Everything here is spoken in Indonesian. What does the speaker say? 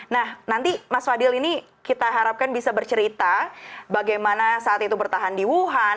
nah nanti mas fadil ini kita harapkan bisa bercerita bagaimana saat itu bertahan di wuhan